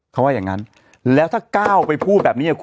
เขาว่าอย่างนั้นแล้วถ้าก้าวไปพูดแบบนี้กับคุณ